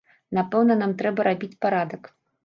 Напэўна, там трэба рабіць парадак.